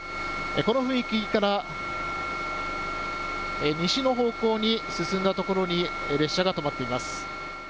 この踏切から西の方向に進んだところに列車が止まっています。